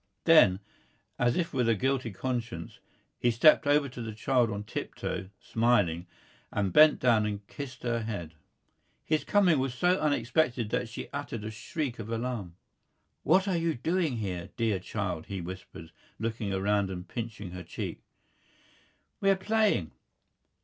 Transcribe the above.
Then, as if with a guilty conscience, he stepped over to the child on tip toe, smiling, and bent down and kissed her head. His coming was so unexpected that she uttered a shriek of alarm. "What are you doing here, dear child?" he whispered, looking around and pinching her cheek. "We're playing."